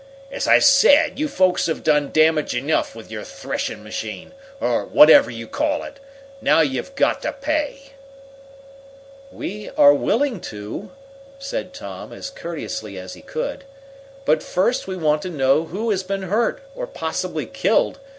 "As I said, you folks has done damage enough with your threshing machine, or whatever you call it. Now you've got to pay!" "We are willing to," said Tom, as courteously as he could. "But first we want to know who has been hurt, or possibly killed.